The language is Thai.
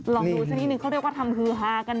ลองดูสักนิดนึงเขาเรียกว่าทำฮือฮากัน